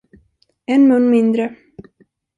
En mun mindre.